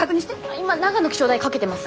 今長野気象台かけてます。